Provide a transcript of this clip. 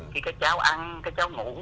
khi các cháu ăn các cháu ngủ